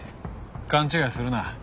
勘違いするな。